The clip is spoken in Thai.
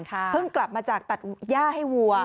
เพิ่งกลับมาจากตัดย่าให้วัว